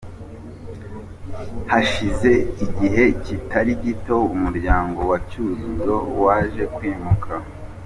Hashize igihe kitari gito umuryango wa Cyuzuzo waje kwimuka .